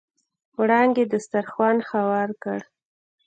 وړانګې دسترخوان هوار کړ.